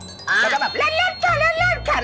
ิดมันแบบเล่นข่ะเล่นข่ะ